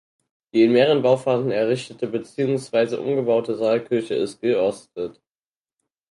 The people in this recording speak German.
Die in mehreren Bauphasen errichtete beziehungsweise umgebaute Saalkirche ist geostet.